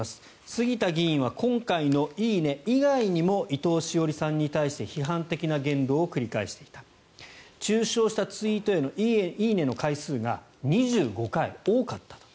杉田議員は今回の「いいね」以外にも伊藤詩織さんに対して批判的な言動を繰り返していた中傷したツイートへの「いいね」の回数が２５回、多かった。